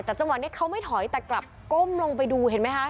แต่จังหวะนี้เขาไม่ถอยแต่กลับก้มลงไปดูเห็นไหมคะ